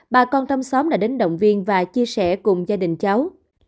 bà con trong xóm đã đến động viên và chia sẻ cùng gia đình cháu